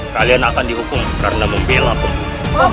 kalian akan dihukum karena membela pembunuh